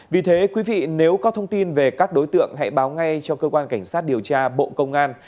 vì thế quý vị nếu có thông tin về các đối tượng hãy báo ngay cho cơ quan cảnh sát điều tra bộ công an